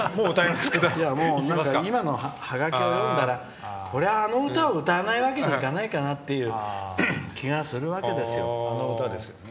今のハガキを読んだらあの歌を歌いにいかないわけにはいかない気がするわけですよ。